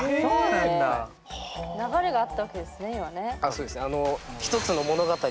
そうですね。